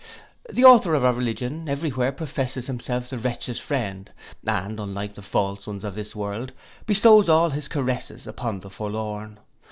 The author of our religion every where professes himself the wretch's friend, and unlike the false ones of this world, bestows all his caresses upon the forlorn.